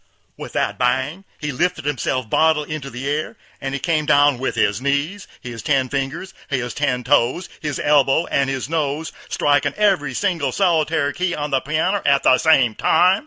With that bang! he lifted himself bodily into the a'r, and he come down with his knees, his ten fingers, his ten toes, his elbows, and his nose, striking every single solitary key on the pianner at the same time.